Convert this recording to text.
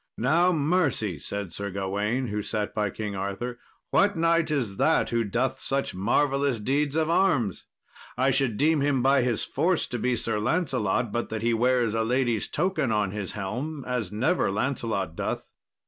"Now, mercy," said Sir Gawain, who sat by King Arthur; "what knight is that who doth such marvellous deeds of arms? I should deem him by his force to be Sir Lancelot, but that he wears a lady's token on his helm as never Lancelot doth."